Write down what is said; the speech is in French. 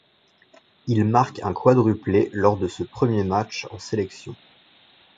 Il marque un quadruplé lors de ce premier match en sélection.